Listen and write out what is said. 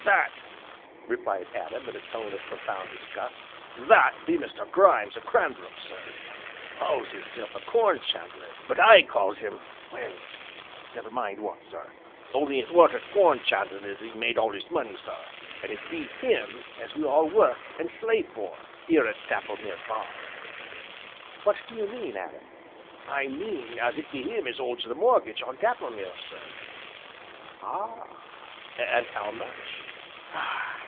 "That!" replied Adam in a tone of profound disgust, "that be Mr. Grimes, o' Cranbrook, sir. Calls hisself a corn chandler, but I calls 'im, well, never mind what, sir, only it weren't at corn chandling as 'e made all 'is money, sir, and it be him as we all work, and slave for, here at Dapplemere Farm." "What do you mean, Adam?" "I mean as it be him as holds the mortgage on Dapplemere, sir." "Ah, and how much?"